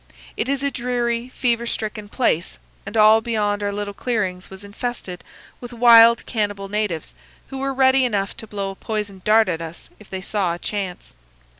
It is a dreary, fever stricken place, and all beyond our little clearings was infested with wild cannibal natives, who were ready enough to blow a poisoned dart at us if they saw a chance.